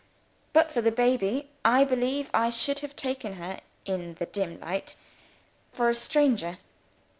But for the baby, I believe I should have taken her, in the dim light, for a stranger!